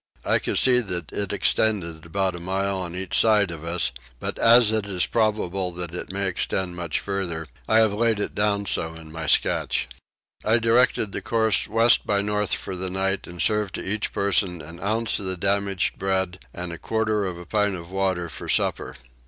I could see that it extended about a mile on each side of us, but as it is probable that it may extend much further I have laid it down so in my sketch. I directed the course west by north for the night, and served to each person an ounce of the damaged bread and a quarter of a pint of water for supper.